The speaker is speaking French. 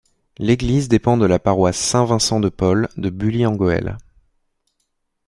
L'église dépend de la paroisse Saint-Vincent-de-Paul de Bully-en-Gohelle.